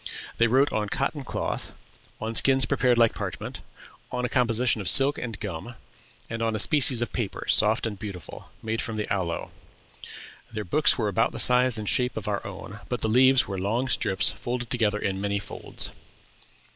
They wrote on cotton cloth, on skins prepared like parchment, on a composition of silk and gum, and on a species of paper, soft and beautiful, made from the aloe. Their books were about the size and shape of our own, but the leaves were long strips folded together in many folds.